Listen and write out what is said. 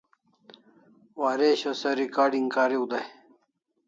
Waresho se recording kariu dai